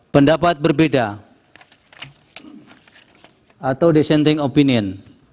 pendapat berbeda atau dissenting opinion